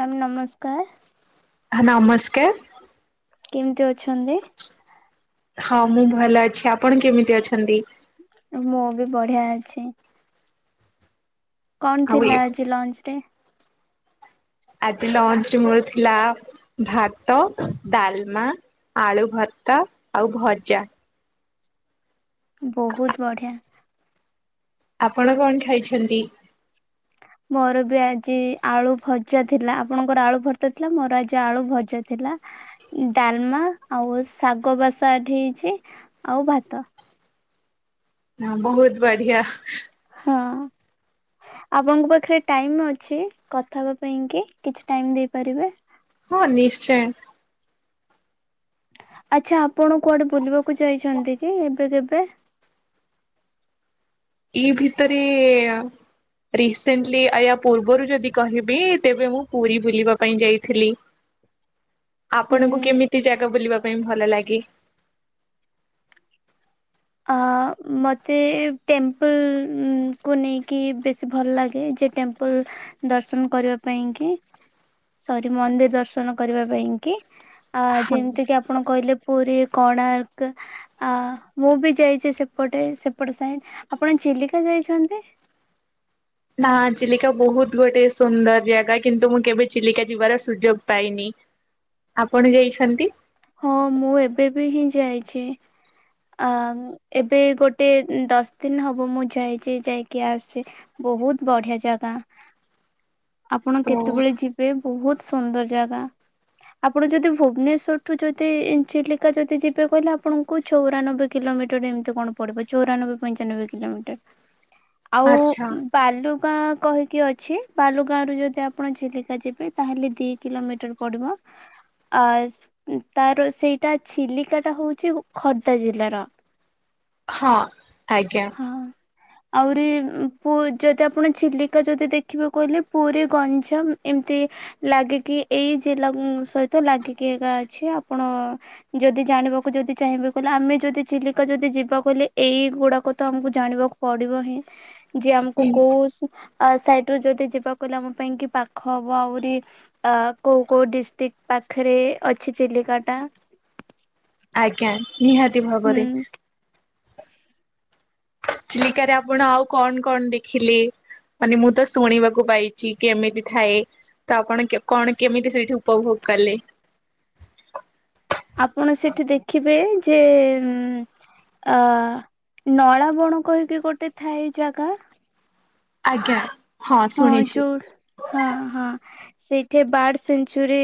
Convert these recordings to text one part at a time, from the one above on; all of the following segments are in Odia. ମ୍ୟାାମ ନମସ୍କାର। ନମସ୍କାର। କେମିତି ଅଛନ୍ତି? ହଁ ମୁଁ ଭଲ ଅଛି ଆପଣ କେମିତି ଅଛନ୍ତି? ମୁବି ବଢ଼ିଆ ଅଛି। କଣ ଆଉ ଏ ଥିଲା ଆଜି ଲଞ୍ଚରେ? ଆଜି ଲଞ୍ଚରେ ମୋର ଥିଲା ଭାତ ଡ଼ାଲମା ଆଳୁ ଭର୍ତ୍ତା ଆଉ ଭଜା। ବହୁତ୍ ବଢ଼ିଆ। ଆପଣ କଣ ଖାଇଛନ୍ତି? ମୋରବି ଆଜି ଆଳୁ ଭଜା ଥିଲା ଆପଣଙ୍କର ଆଳୁ ଭର୍ତ୍ତା ଥିଲା ମୋର ଆଜି ଆଳୁ ଭଜା ଥିଲା ଡ଼ାଲମା ଆଉ ଶାଗ ବାସା ଏଠି ହେଇଚି ଆଉ ଭାତ। ହଁ ବହୁତ୍ ବଢ଼ିଆ। ହଁ। ଆପଣଙ୍କ ପାଖରେ ଟାଇମ୍ ଅଛି କଥା ହେବା ପାଇଁକି କିଛି ଟାଇମ୍ ଦେଇପାରିବେ? ହଁ ନିଶ୍ଚୟ। ଆଚ୍ଛା ଆପଣ କୁଆଡ଼େ ବୁଲିବାକୁ ଯାଇଛନ୍ତିକି ଏବେ କେବେ? ଏଇ ଭିତରେ ରିସେଣ୍ଟଲି ଆୟା ପୂର୍ବରୁ ଯଦି କହିବି ତେବେମୁ ପୁରୀ ବୁଲିବା ପାଇଁ ଯାଇଥିଲି। [unintelligible] ହୁଁ ଆପଣଙ୍କୁ କେମିତି ଜାଗା ବୁଲିବା ପାଇଁ ଭଲ ଲାଗେ? ଅ ମତେ ଟେମ୍ପଲଉକୁ ନେଇକି ବେଶୀ ଭଲ ଲାଗେ ଯେ ଟେମ୍ପଲ ଦର୍ଶନ କରିବା ପାଇଁକି ସରି ମନ୍ଦିର ଦର୍ଶନ କରିବା ପାଇଁକି ଆଁ ହଁ ଯେମିତିକିି ଆପଣ କହିଲେ ପୁରୀ କୋଣାର୍କ ଆ ମୁଁବି ଯାଇଚି ସେପଟେ ସେପଟେ ସାଇଟ୍ ଆପଣ ଚିଲିକା ଯାଇଚନ୍ତି? ନା ଚିଲିକା ବହୁତ୍ ଗୋଟେ ସୁନ୍ଦର ଜାଗା କିନ୍ତୁମୁ କେବେ ଚିଲିକା ଯିବାର ସୁଯୋଗ ପାଇନି। ଆପଣ ଯାଇଛନ୍ତି? ହଁ ମୁଁ ଏବେବିହିଁ ଯାଇଚି। ଅଁ ଏବେ ଗୋଟେ ଦଶ ଦିନି ହବ ମୁଁ ଯାଇଚି ଯାଇକି ଆସଛି। ବହୁତ୍ ବଢ଼ିଆ ଜାଗା। ଆପଣ ଓ କେତେବେଳେ ଯିବେ ବହୁତ୍ ସୁନ୍ଦର ଜାଗା। ଆପଣ ଯଦି ଭୁବନେଶ୍୍ୱରଠୁ ଯଦି ଚିଲିକା ଯଦି ଯିବେ କହିଲେ ଆପଣଙ୍କୁ କୁ ଚଉରାନବେ କିଲୋମିଟର୍ ଏମିତି କଣ ପଡ଼ିବ ଚଉରାନବେ ପଞ୍ଚାନବେ କିଲୋମିଟର୍। ଆଉ ଆଚ୍ଛା। ବାଲୁଗାଁ କାହିଁକି ଅଛି? ବାଲୁ ଗାଁରୁ ଯଦି ଆପଣ ଚିଲିକା ଯିବେ ତାହେଲେ ଦି କିଲୋମିଟର୍ ପଡ଼ିବ। ଆ ତାର ସେଇଟା ଚିଲିକାଟା ହଉଚି ଖୋର୍ଦ୍ଧା ଜିଲ୍ଲାର। [inaudible] ହଁ ଆଜ୍ଞା। ହଁ ଆହୁରି ପୁ ଯଦି ଆପଣ ଚିଲିକା ଯଦି ଦେଖିବାକୁ କହିଲେ ପୁରୀ ଗଞ୍ଜାମ ଏମିତି ଲାଗିକି ଏଇ ଜିଲ୍ଲାଙ୍କୁ ସହିତ ଲାଗିକି ଏକା ଅଛି ଆପଣ ଯଦି ଜାଣିବାକୁ ଯଦି ଚାହିଁବେ କହିଲେ ଆମେ ଯଦି ଚିଲିକା ଯଦି ଯିବା କହିଲେ ଏଗୁଡ଼ାକତ ଆମକୁ ଜାଣିବାକୁ ପଡ଼ିବହିଁ ଯେଆମକୁ ହୁଁ। କୋଉ ସା ଆଁ ସାଇଟିରୁ ଯଦି ଏତେ ଯିବାକୁହିଲେ ଆମ ପାଇଁକି ପାଖ ହବ ଆହୁରି ଆ କୋଉକେଉ ଡିଷ୍ଟିକ୍ଟ୍ ପାଖରେ ଅଛି ଚିଲିକାଟା। ଆଜ୍ଞା ନିହାତି ଭାବରେ। ହୁଁ। ଚିଲିକାରେ ଆପଣ ଆଉ କଣ କଣ ଦେଖିଲେ? ମାନେ ମୁଁ ତ ଶୁଣିବାକୁ ପାଇଚି କେମିତି ଥାଏ। ତ ଆପଣ କଣ କେମିତି ସେଇଠି ଉପଭୋଗ କଲେ? ଆପଣ ସେଠି ଦେଖିବେ ଯେ ଆ ନଳା ବଣ କହିକି ଗୋଟେ ଥାଏ ଜାଗା ଆଜ୍ଞା। ହଁ ଜୋ ହଁ ହଁ। ସେଇଠି ବାର୍ଡ ସେଚୁରୀ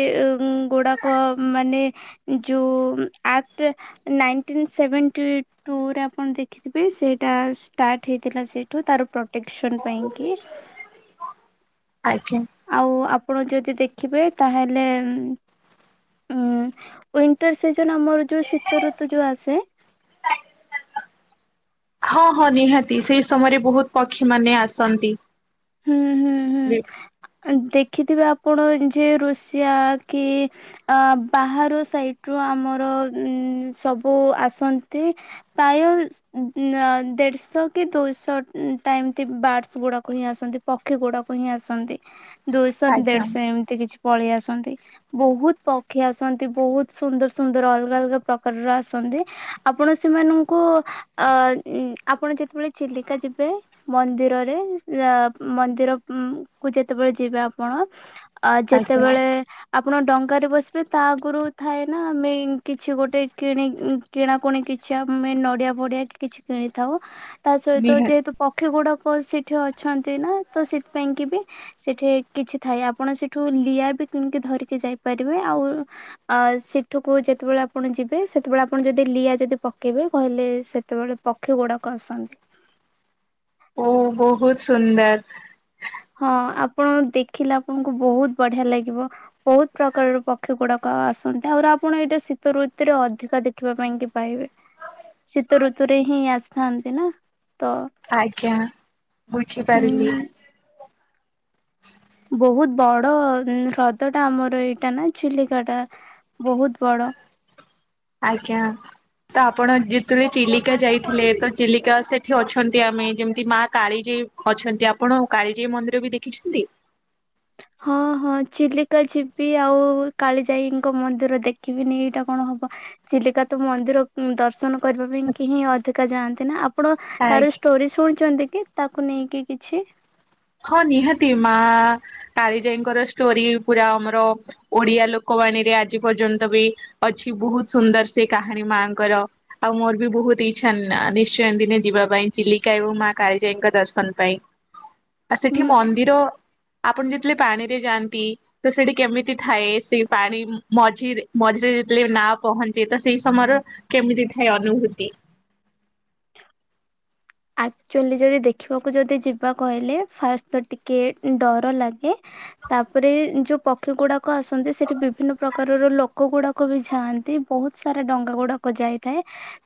ଗୁଡାକ ମାନେ ଯେଉ ଆକ୍ଟ। ନାଇଟିନସେଭେଣ୍ଟିଟ୍ୱ ରେ ଆପଣ ଦେଖିଥିବେ ସେଇଟାଷ୍ଟାଟେ ହେଇଥିଲା ସେଠୁ। ଟେକ୍ସନ୍ ପାଇଁ କିି? ଆଜ୍ଞା। ଆଉ ଆପଣ ଯଦି ଦେଖିବେ ତାହେଲେ ଉଁ ୱିଣ୍ଟର ସିଜନ ଆମର ଯେଉଁ ଶୀତ ଋତୁ ଯେଉଁ ଆସେ। ହଁ ହଁ ନିହାତି ସେଇ ସମୟରେ ବହୁତ ପକ୍ଷୀ ମାନେ ଆସନ୍ତି। ହୁଁ ହୁଁ ହୁଁ ଦେଖିଥିବେ ଆପଣ ଯେ ରଋଷିଆ କି ଆ ବାହାରୁ ସାଇଟ୍ ରୁ ଆମର ସବୁ ଆସନ୍ତି। ପ୍ରାୟଲସ୍। ଦେଢଶହ କି ଦୁଇଶହ ଟାଇମତି ବାଡର୍ସ ଗୁଡାକ ହିଁ ଆସୁ ପକ୍ଷୀ ଗୁଡାକୁ ହିଁ ଆସନ୍ତି ଦୁଇଶହ ଆଜ୍ଞା ଦେଢଶହ ଏମିତି କିଛି ପଳେଇ ଆସନ୍ତି। ବହୁତ ପକ୍ଷୀ ଆସନ୍ତି ବହୁତ ସୁନ୍ଦର ସୁନ୍ଦର ଅଲଗା ଅଲଗା ପ୍ରକାରର ଆସନ୍ତି। ଆପଣ ସେମାନଙ୍କୁ ଆ ଆପଣ ଯେତେବେଳେ ଚିଲିକା ଯିବେ। ମନ୍ଦିରରେ ଲାପ ମନ୍ଦିର କୁ ଯେତେବେଳେ ଯିବେ ଆପଣ ଆ ଆଜ୍ଞା ଯେତେବେଳେ ଆପଣ ଡଙ୍ଗାରେ ବସିବେ ତା ଆଗରୁ ଥାଏ ନା ଆମେ କିଛି ଗୋଟେ କିଣି କିଣାକୁଣି କିଛି ଆମେ ନଡିଆ ଫଡିଆ କି କିଛି କିଣିଥାଉ। ତା ସହିତ ନିହାତି ଯେହେତୁ ପକ୍ଷୀ ଗୁଡାକ ସେଠି ଅଛନ୍ତି ନା ତ ସେଥିପାଇଁ କି ବି ସେଠି କିଛି ଥାଏ ଆପଣ ସେଠୁ ଲିଆ ବି କିଣିକି ଧରିକି ଯାଇପାରିବେ ଆଉ ଅ ସେଠୁକୁ ଯେତେବେଳେ ଆପଣ ଯିବେ ସେତେବେଳେ ଆପଣ ଯଦି ଲିଆ ଯଦି ପକେଇବେ କହିଲେ ସେତେବେଳେପ ପକ୍ଷୀ ଗୁଡ଼ାକ ଆସନ୍ତ। ଓ ବହୁତ ସୁନ୍ଦର। ହଁ ଆପଣ ଦେଖିଲେ ଆପଣଙ୍କୁ ବହୁତ ବଢିଆ ଲାଗିବ। ବହୁତ ପ୍ରକାରର ପକ୍ଷୀ ଗୁଡାକ ଆସନ୍ତି ଆହୁରି ଆପଣ ଏଇଟା ଶୀତ ଋତୁରେ ଅଧିକାଦେ ରଖିବା ପାଇଁ କି ପାଇବେ ଶୀତ ଋତୁରେ ହିଁ ଆସିଥାନ୍ତି ନା ତ? ଆଜ୍ଞା ଉଁ ବୁଝିପାରିଲି। ବହୁତ ବଡ ହ୍ରଦ ଟା ଆମର ଏଇଟା ନା ଚିଲିକା ଟା ବହୁତ ବଡ। ଆଜ୍ଞା। ତ ଆପଣ ଯେତେବେ ଚିଲିକା ଯାଇଥିଲେ ତ ଚିଲିକା ସେଠି ଅଛନ୍ତି ଆମେ ଯେମିତି ମା କାଳିଜୀ ଅଛନ୍ତି ଆପଣ କାଳିଜାଈ ମନ୍ଦିର ବି ଦେଖିଛନ୍ତି? ହଁ ହଁ ଚିଲିକା ଯିବି ଆଉ କାଳିଜାଇଙ୍କ ମନ୍ଦିର ଦେଖିବିନି ଏଇଟା କଣ ହବ ଚିଲିକ ତ ମନ୍ଦିର ଦର୍ଶନ କରିବା ପାଇଁ କେହିଁ ଅଧିକା ଯାଆନ୍ତି ନା ଆପଣ ତାର ଆଜ୍ଞା। ଷ୍ଟୋରି ଶୁଣିୁଛନ୍ତି କି? ତାକୁ ନେଇକି କିଛି? ହଁ ନିହାତି ମା କାଳିଜାଇଙ୍କର ଷ୍ଟୋରି ପୁରା ଆମର ଓଡିଆ ଲୋକବାଣୀରେ ଆଜି ପର୍ଯ୍ୟନ୍ତ ବି ଅଛି ବହୁତ ସୁନ୍ଦର ସେ କାହାଣୀ ମାଙ୍କର। ଆଉ ମୋର ବି ବହୁତ ଇଚ୍ଛାନା ନିଶ୍ଚୟ ଦିନେ ଯିବା ପାଇଁ ଚିଲିକା ଏବଂ ମା କାଳିଜାଇଙ୍କ ଦର୍ଶନ ପାଇଁ। ଆଉ ସେଠି ହୁଁ ମନ୍ଦିର ଆପଣ ଯେତେଳେ ପାଣିରେ ଯାଆନ୍ତି? ତ ସେଠି କେମିତି ଥାଏ ସେ ପାଣି ମଝିରେ ମଝିରେ ଯେତେଳେ ନା ପହଞ୍ଚେ ତ ସେଇ ସମୟର କେମିତି ଥାଏ ଅନୁଭୂତି ଆକ୍ଚୁଆଲି ଯଦି ଦେଖିବାକୁ ଯଦି ଯିବା କହିଲେ ଫାଷ୍ଟ ତ ଟିକେ ଡର ଲାଗେ ତାପରେ ଯୋଉ ପକ୍ଷୀ ଗୁଡାକ ଆସନ୍ତି ସେଠି ବିଭିନ୍ନ ପ୍ରକାରର ଲୋକ ଗୁଡାକ ଲୋକ ବି ଛାଆନ୍ତି ବହୁତ ସାରା ଡଙ୍ଗା ଗୁଡାକ ଯାଇଥାଏ।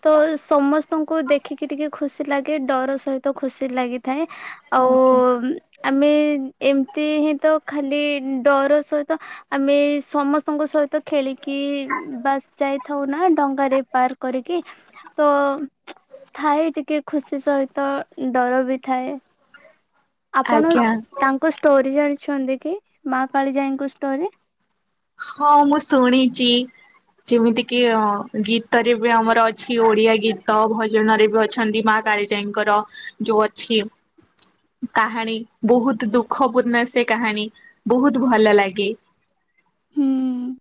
ତ ସମସ୍ତଙ୍କୁ ଦେଖିକି ଟିକେ ଖୁସି ଲାଗେ। ଟିକେ ଡର ସହିତ ଖୁସି ଲାଗିଥାଏ ଆଉ ଆଜ୍ଞା। ଆମେ ଏମତି ହିଁ ତ ଖାଲି ଡର ସହିତ ଆମେ ସମସ୍ତଙ୍କ ସହିତ ଖେଳିକି ବାସ୍ ଯାଇଥାଉ ନା ଡଙ୍ଗାରେ ପାର୍କ କରିକି ତ ଥାଇ ଟିକେ ଖୁସି ସହିତ ଡର ବି ଥାଏ ଆପଣ ଆଜ୍ଞା ତାଙ୍କ କ ଷ୍ଟୋରି ଜାଣିଛନ୍ତି କି ମା କାଳିଜାଇଙ୍କୁ ଷ୍ଟୋରି? ହଁ ମୁଁ ଶୁଣିଚି ଯେମିତି କିି ଅ ଗୀତରେ ବି ଆମର ଅଛି ଓଡିଆ ଗୀତ ଭଜନରେ ବି ଅଛନ୍ତି ମା କାଳିଜାଇଙ୍କର ଯୋଉ ଅଛି କାହାଣୀ ବହୁତ ଦୁଃଖ ପୂର୍ଣ୍ଣ ସେ କାହାଣୀ ବହୁତ ଭଲ ଲାଗେ। ହୁଁ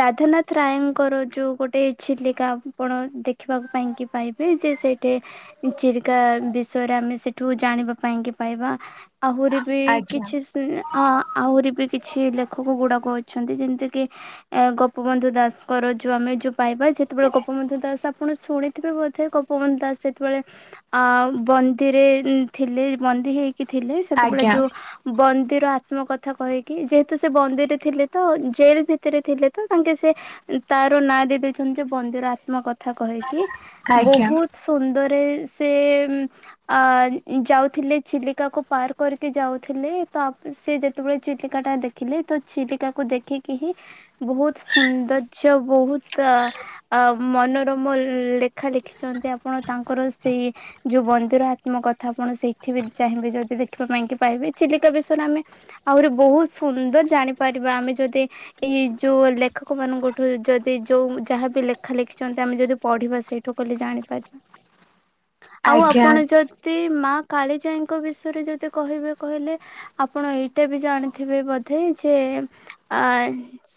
ରାଧାନାଥ ରାୟଙ୍କର ଯୋଉ ଗୋଟେ ଚିଲିକା ଆପଣ ଦେଖିବା ପାଇଁକି ପାଇବେ ଯେ ସେଇଠି ଚିଲିକା ବିଷୟରେ ଆମେ ସେଠୁ ଜାଣିବା ପାଇଁକି ପାଇବା ଆହୁରି ବି ଆଜ୍ଞା କିଛି ସେ ଆହୁରି ବି କିଛି ଲେଖକ ଗୁଡାକ ଅଛି ଅଛନ୍ତି ଯେମିତିକି ଏ ଗୋପବନ୍ଧୁ ଦାସଙ୍କର ଯୋଉ ଆମେ ଯୋଉ ପାଇବା ଯେତେବେଳେ ଗୋପବନ୍ଧୁ ଦାସ ଆପଣ ଶୁଣିଥିବେ ବୋଧେ ଗୋ ପବନ୍ଧୁ ସେତେବେଳେ ଆ ବନ୍ଦିରେ ଥିଲେ ବନ୍ଦୀ ହେଇକି ଥିଲେ ସେତେବେଳେ ଆଜ୍ଞା ଯୋଉ ବନ୍ଦିର ଆତ୍ମ କଥା କହିକି ଯେହେତୁ ସେ ବନ୍ଦିରେ ଥିଲେ ତ ଜେଲ ଭିତରେ ଥିଲେ ତ ତାଙ୍କେ ସେ ତାର ନାଁ ଦେଇଦେଇଛନ୍ତି ଯେ ବନ୍ଦିର ଆ ତ୍ମ କଥା କହିକି ଆଜ୍ଞା ବହୁତ ସୁନ୍ଦରେ ସେ ଅ ଯାଉଥିଲେ ଚିଲିକାକୁୁ ପାର କରିକି ଯାଉଥିଲେ ତ ସେ ଯେତେବେଳେ ଚିଲିକା ଟା ଦେଖ ଥିଲେ ତ ଚିଲିକାକୁ ଦେଖିକି ହିଁ ବହୁତ ସୌନ୍ଦର୍ଯ୍ୟ ବହୁତ ଆ ଆ -ମନୋରମ ଲେଖା ଲେଖିଛନ୍ତି ଆପଣ ତାଙ୍କର ସେଇ ଯୋଉ ବନ୍ଦିର ଆତ୍ମ କଥା ଆପଣ ସେଇଠି ବି ଚାହିଁବେ ଯଦି ଦେଖିବା ପାଇଁ କି ପାଇବେ ଚିଲିକା ବିଷୟରେ ଆମେ ଆହୁରି ବହୁତ ସୁନ୍ଦର ଜାଣିପାରିବା ଆମେ ଯଦି ଏଇ ଯୋଉ ଲେଖକ ମାନଙ୍କଠୁ ଯଦି ଯୋଉ ଯାହାବି ଲେଖା ଲେଖିଛନ୍ତି ଆମେ ଯଦି ପଢିବା ସେଇଠୁ କଲେ ଜାଣିପାରିବା ଆଉ ଆଜ୍ଞା ଆପଣ ଯଉ ନ୍ତି ମା କାଳିଜାଇଙ୍କ ବିଷୟରେ ଯଦି କହିବେ କହିଲେ ଆପଣ ଏଇଟା ବି ଜାଣିଥିବେ ବୋଧେ ଯେ ଆଇ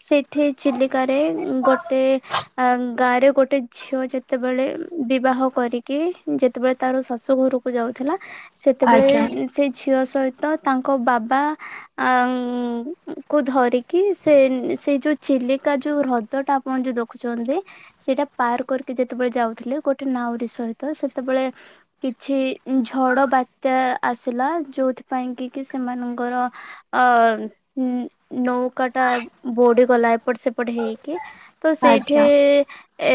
ସେଇଠି ଚିଲିକା ରେ ଗୋଟେ ଅ ଗାରେ ଗୋଟେ ଝିଅ ଯେତେବେଳେ ବିବାହ କରିକି ଯେତେବେଳେ ତାର ଶାଶୁ ଘରକୁ ଯାଉଥିଲା। ସେତେବେଳେ ଆଜ୍ଞା ସେ ଝିଅ ସହିତ ତାଙ୍କ ବାବାଆ ଙ୍କୁ ଧରି ଟିକିି ସେ ସେଇ ଯୋଉ ଚିଲିକା ଯୋଉ ହ୍ରଦ ଟା ଆପଣ ଯୋଉ ଦେଖୁଛନ୍ତି। ସେଇଟା ପାର କରିକି ଯେତେବେଳେ ଯାଉଥିଲେ ଗୋଟେ ନାଉରି ସହିତ ସେତେବେଳେ କିଛି ଝଡ ବାତ୍ୟା ଆସିଲା ଯୋଉଥି ପାଇଁ କି କି ସେମାନଙ୍କର ଅ ନି ନୌକା ଟା ବୁଡିଗଲା ଏପଟ ସେପଟ ହେଇକି ତ ସେଇଠି ଆଜ୍ଞା। ଏ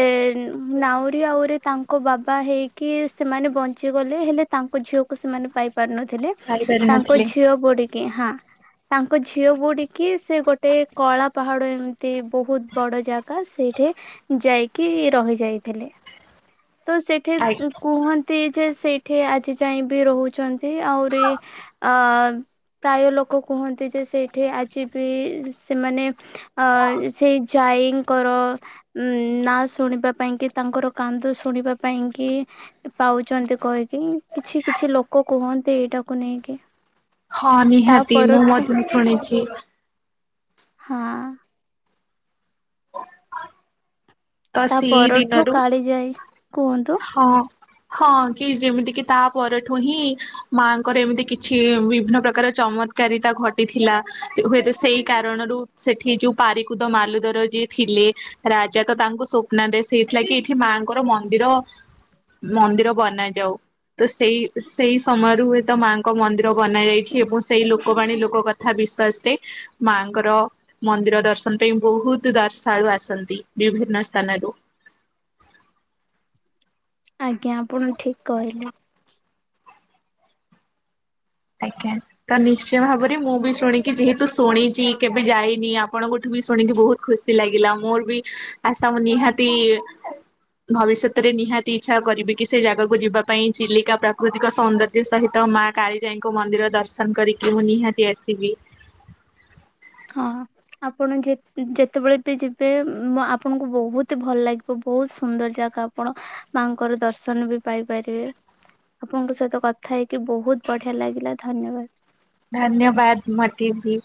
ନାଉରୀ ଆଉରି ତାଙ୍କ ବାବା ହେଇକି ସେମାନେ ବଞ୍ଚିଗଲେ ହେଲେ ତାଙ୍କ ଝିଅକୁ ସେମାନେ ପାଇ ପାରିନଥିଲେ ଖାଇ ତାଙ୍କ ପାରିନଥିଲି ଝିଅ ବୁଡ଼ିକି ହଁ ତାଙ୍କ ଝିଅ ବୁ କି ସେ ଗୋଟେ କଳା ପାହାଡ଼ ଏମିତି ବହୁତ ବଡ଼ ଜାଗା ସେଇଠି ଯାଇକି ରହି ଯାଇଥିଲେ। ତ ସେଇଠି ଖାଇ କୁ କୁହନ୍ତି ଯେ ସେଇଠି ଆଜି ଯାଇ ବି ରହୁଛନ୍ତି ଆହୁରି ଅ-ଅ ପ୍ରାୟ ଲୋକ କୁହନ୍ତି ଯେ ସେଇଠି ଆଜି ବି ସେମାନେ ଅ ସେଇ ଜାଈଙ୍କର ଉଁ ନାଁ ଶୁଣିବା ପାଇଁ କି ତାଙ୍କର କାନ୍ଦ ଶୁଣିବା ପାଇଁ କି ପାଉଛନ୍ତି କହିକି, କିଛି କିଛି ଲୋକ କୁହନ୍ତି ଏଇଟାକୁ ନେଇକି। ହଁ ତା ନିହାତି, ମୁଁ ପରଠୁ ମଧ୍ୟ ଶୁଣିଛି। ହଁ। ତ ତା ସିଇ ପରଠୁ ଦିନରୁ କାଳିଜାଇ କୁହନ୍ତୁ ହଁ କି ଯେମିତିକି ତା ପରଠୁ ହିଁ ମାଆଙ୍କର ଏମିତି କିଛି ବିଭିନ୍ନ ପ୍ରକାର ଚମତ୍କାରିତା ଘଟିଥିଲା, ହୁଏତ ସେଇ କାରଣରୁ ସେଠି ଯୋଉ ପାରିକୁଦ ମାଲୁଦର ଯିଏ ଥିଲେ ରାଜା ତ ତାଙ୍କୁ ସ୍ୱପ୍ନାଦେଶ ହେଇଥିଲା କିି ଏଠି ମାଆଙ୍କର ମନ୍ଦିର, ମନ୍ଦିର ବନା ଯାଉ। ତ ସେଇ, ସେଇ ସମୟରୁ ହୁଏ ତ ମାଆଙ୍କ ଙ୍କ ମନ୍ଦିର ବନା ଯାଇଛି ଏବଂ ସେଇ ଲୋକବାଣୀ ଲୋକ କଥା ବିଶ୍ଵାସରେ‌ ମାଆଙ୍କର ମନ୍ଦିର ଦର୍ଶନ ପାଇଁ ବହୁତ ଦର୍ଶାଳୁ ଆସନ୍ତି ବିଭିନ୍ନ ସ୍ଥାନରୁ। ଆଜ୍ଞା, ଆପଣ ଠିକ୍ କହିଲେ। ଆଜ୍ଞା। ତ ନିଶ୍ଚୟ ଭାବରେ ମୁଁ ବି ଶୁଣିକି, ଯେହେତୁ ଶୁଣିଛି କେବେ ଯାଇନି ଆପଣଙ୍କଠୁ ବି ଶୁଣିକି ବହୁତ ଖୁସ୍ ସି ଲାଗିଲା ମୋର ବି ଆଶା ମୁଁ ନିହାତି ଭବିଷ୍ୟତରେ ନିହାତି ଇଚ୍ଛା କରିବି କି ସେ ଜାଗାକୁ ଯିବା ପାଇଁ ଚିଲିକା ପ୍ରାକୃତିକ ସୌନ୍ଦ ସହିତ ମା କାଳିଜାଇଙ୍କୁ ମନ୍ଦିର ଦର୍ଶନ କରିକି ମୁଁ ନିହାତି ଆସିବି। ହଁ, ଆପଣ ଯେ ଯେତେବେଳେ ବି ଯିବେ ଆପଣଙ୍କୁ ବହୁତ ଭଲ ଲାଗିବ। ବହୁତ ସୁନ୍ଦର ଜାଗା ଆପଣ ମାଆଙ୍କର ଦର୍ଶନ ବି ପାଇପାରିବେ। ଆପଣଙ୍କ ସହିତ କଥା ହେଇକି ବହୁତ ବଢିଆ ଲାଗିଲା, ଧନ୍ୟବାଦ। ଧନ୍ୟବାଦ, ମତେ ବି।